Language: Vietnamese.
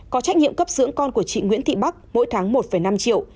có trách nhiệm cấp dưỡng con của chị nguyễn thị bắc mỗi tháng một năm triệu